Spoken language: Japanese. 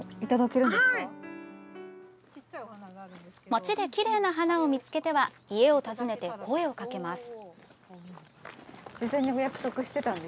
町できれいな花を見つけては家を訪ねて声をかけます。